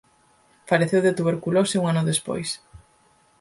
Faleceu de tuberculose un ano despois.